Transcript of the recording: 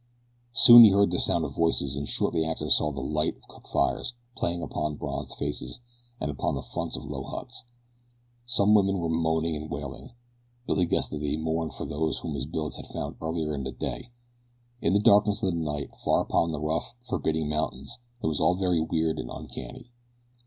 Soon he heard the sound of voices and shortly after saw the light of cook fires playing upon bronzed faces and upon the fronts of low huts. Some women were moaning and wailing. Billy guessed that they mourned for those whom his bullets had found earlier in the day. In the darkness of the night, far up among the rough, forbidding mountains it was all very weird and uncanny.